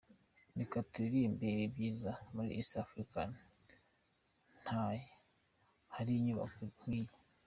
Reka turirimbe ibi byiza, muri East Africa nta hari inyubako nk’iyi.